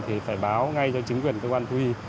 thì phải báo ngay cho chính quyền cơ quan thú y